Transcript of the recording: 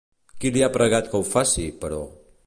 Qui li ha pregat que ho faci, però?